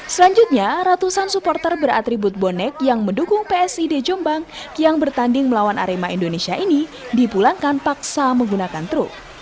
selanjutnya ratusan supporter beratribut bonek yang mendukung psid jombang yang bertanding melawan arema indonesia ini dipulangkan paksa menggunakan truk